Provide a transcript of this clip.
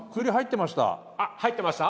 あっ入ってました？